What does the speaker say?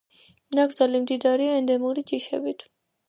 ნაკრძალი მდიდარია ენდემური ჯიშებით.